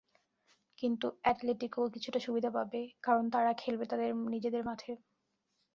কিন্তু অ্যাটলেটিকো কিছুটা সুবিধা পাবে, কারণ তারা খেলবে তাদের নিজেদের মাঠে।